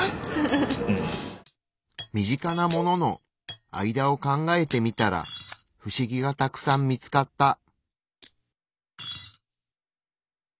身近なもののあいだを考えてみたらふしぎがたくさん見つかった。